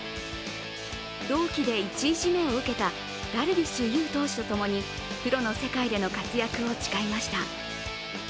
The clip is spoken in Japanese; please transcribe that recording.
同期で１位指名を受けたダルビッシュ有投手と共にプロの世界での活躍を誓いました。